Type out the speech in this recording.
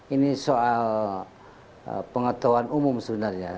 ini soal pengetahuan umum sebenarnya